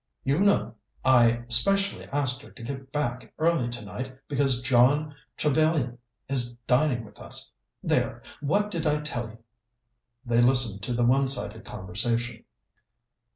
You know, I specially asked her to get back early tonight because John Trevellyan is dining with us. There! what did I tell you?" They listened to the one sided conversation.